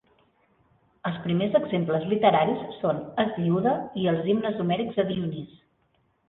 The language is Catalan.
Els primers exemples literaris són Hesíode i els Himnes homèrics a Dionís.